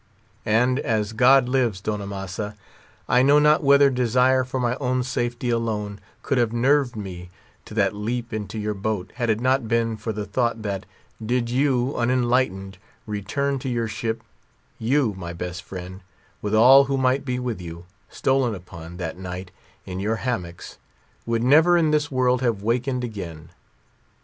And as God lives, Don Amasa, I know not whether desire for my own safety alone could have nerved me to that leap into your boat, had it not been for the thought that, did you, unenlightened, return to your ship, you, my best friend, with all who might be with you, stolen upon, that night, in your hammocks, would never in this world have wakened again.